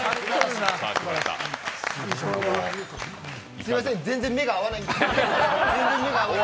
すみません、全然目が合わないんですけど。